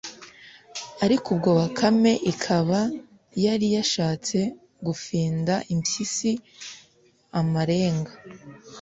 ariko ubwo bakame ikaba yari yashatse gufinda impyisi amarenga